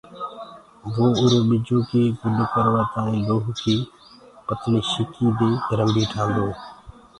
وو اُرو ٻجو ڪي گُڏ ڪروآ تآڻي لوهڪي پتݪي شيڪي دي رنڀي ٺآندوئي۔